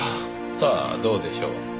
さあどうでしょう。